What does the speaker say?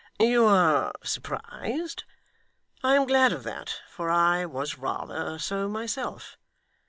'You are surprised? I am glad of that, for I was rather so myself.